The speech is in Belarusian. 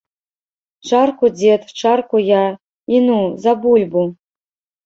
Чарку дзед, чарку я, і ну, за бульбу.